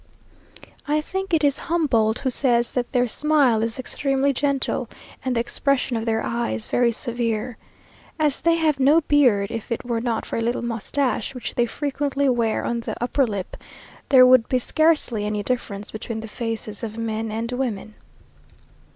I think it is Humboldt who says that their smile is extremely gentle, and the expression of their eyes very severe. As they have no beard, if it were not for a little moustache, which they frequently wear on the upper lip, there would be scarcely any difference between the faces of men and women.